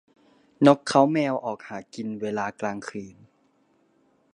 นกเค้าแมวออกหากินเวลากลางคืน